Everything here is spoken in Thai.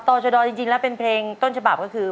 ชะดอจริงแล้วเป็นเพลงต้นฉบับก็คือ